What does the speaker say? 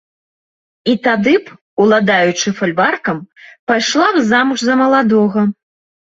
І тады б, уладаючы фальваркам, пайшла б замуж за маладога.